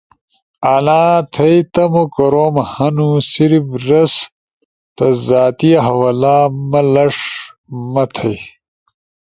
انا تھئی تم کوروم ہنو، صرف رستا زاتی حوالہ ۔مہ لݜ ما تھئی